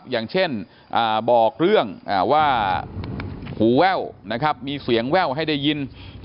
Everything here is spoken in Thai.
อย่างเช่นบอกเรื่องว่าหูแว่วมีเสียงแว่วให้ได้ยิน